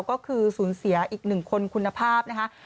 ก็คือสูญเสียอีกหนึ่งคนคุณภาพนะคะ